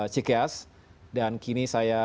cks dan kini saya